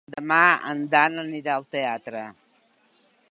Demà en Dan anirà al teatre.